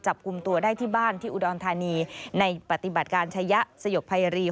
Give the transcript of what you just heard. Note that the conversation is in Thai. จับกลุ่มตัวได้ที่บ้านที่อุดรธานีในปฏิบัติการชายะสยบภัยรี